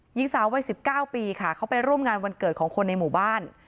หญิงสาววัย๑๙ปีค่ะเขาไปร่วมงานวันเกิดของคนในหมู่บ้าน